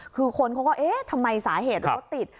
คือคนคงว่าทำไมสาเหตุรถติด